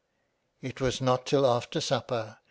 M It was not till after supper.